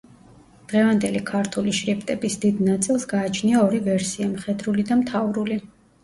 დღევანდელი ქართული შრიფტების დიდ ნაწილს გააჩნია ორი ვერსია, მხედრული და მთავრული.